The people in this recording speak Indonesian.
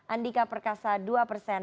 andika perkasa dua persen